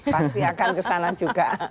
pasti akan kesana juga